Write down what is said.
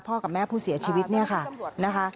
กับแม่ผู้เสียชีวิตเนี่ยค่ะนะคะ